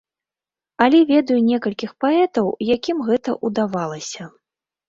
Але ведаю некалькіх паэтаў, якім гэта ўдавалася.